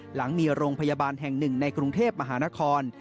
หลังมีโรงพยาบาลแห่งหนึ่งในกรุงเทพมหานคร